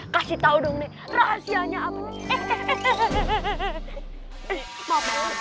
kasih tahu rahasianya